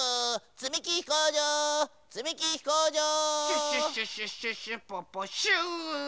つみきひこうじょうつみきひこうじょう。